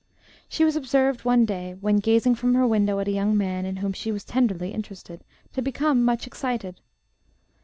She was observed one day, when gazing from her window at a young man in whom she was tenderly interested, to become much excited.